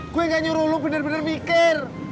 gue gak nyuruh lo bener bener mikir